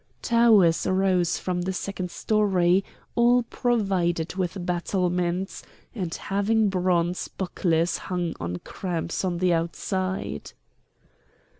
Towers rose from the second story, all provided with battlements, and having bronze bucklers hung on cramps on the outside.